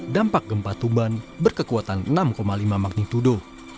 dampak gempa tuban berkekuatan enam lima magnitudo